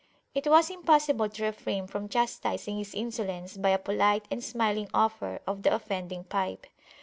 It was impossible to refrain from chastising his insolence by a polite and smiling offer of the offending pipe.